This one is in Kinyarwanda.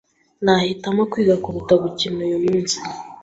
Nahitamo kwiga kuruta gukina uyu munsi.